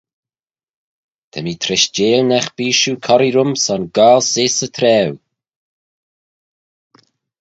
Ta mee treishteil nagh bee shiu corree rhym son goaill seose y traa eu.